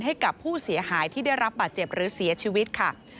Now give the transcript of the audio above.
ให้กับผู้เสียหายที่ได้รับบาดเจ็บหรือเสียชีวิตค่ะ